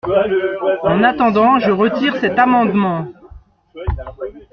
En attendant, je retire cet amendement.